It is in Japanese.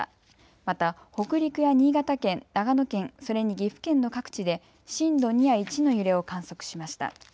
また北陸や新潟県、長野県、それに岐阜県の各地で震度２や１の揺れを観測しました。